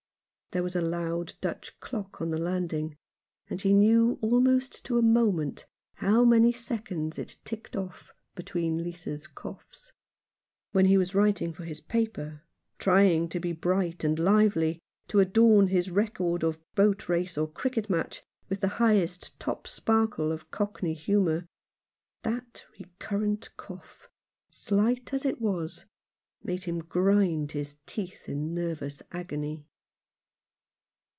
There was a loud Dutch clock on the landing, and he knew almost to a moment how many seconds it ticked off between Lisa's coughs. When he was writing for his paper — trying to be bright and lively, to adorn his record of boat race or cricket match with the highest toprsparkle of Cockney humour — that recurrent cough, slight as it was, made him grind his teeth in nervous agony.